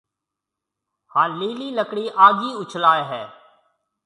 ھان لِيلِي لڪڙِي آگھيَََ اُڇلائيَ ھيََََ